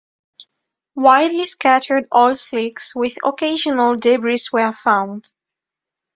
Widely scattered oil slicks with occasional debris were found.